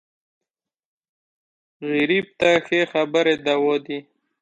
غریب ته ښې خبرې دوا دي